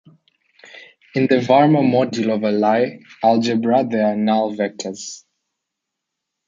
In the Verma module of a Lie algebra there are null vectors.